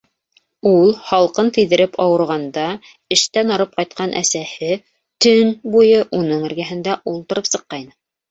Ул һалҡын тейҙереп ауырығанда, эштән арып ҡайтҡан әсәһе төн буйы уның эргәһендә ултырып сыҡҡайны.